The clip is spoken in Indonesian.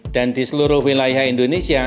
dan di seluruh wilayah indonesia